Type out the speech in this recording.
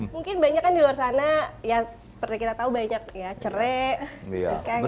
mungkin banyak kan di luar sana ya seperti kita tahu banyak ya cerek